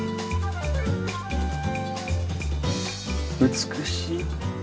美しい。